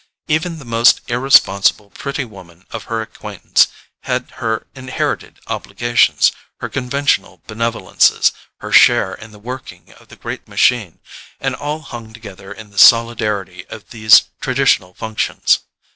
Even the most irresponsible pretty woman of her acquaintance had her inherited obligations, her conventional benevolences, her share in the working of the great civic machine; and all hung together in the solidarity of these traditional functions.